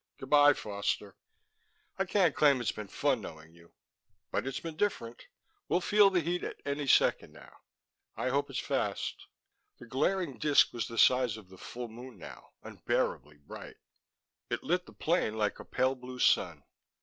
Goodbye, Foster. I can't claim it's been fun knowing you, but it's been different. We'll feel the heat at any second now. I hope it's fast." The glaring disc was the size of the full moon now, unbearably bright. It lit the plain like a pale blue sun.